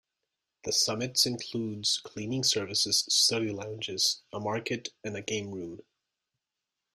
The Summits includes cleaning services, study lounges, a market, and a game room.